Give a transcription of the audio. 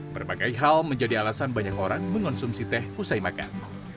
berbagai hal menjadi alasan banyak orang mengonsumsi teh usai makan